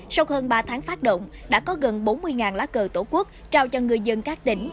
sau hơn ba tháng phát động đã có gần bốn mươi lá cờ tổ quốc trao cho người dân các tỉnh